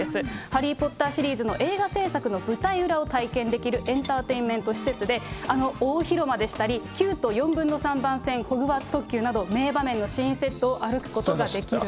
ハリー・ポッターシリーズの映画制作の舞台裏を体験できるエンターテインメント施設で、あの大広間でしたし、９と４分の３番線、ホグワーツ特急など名場面の新セットを歩くことができる。